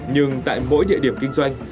nhưng tại mỗi địa điểm kinh doanh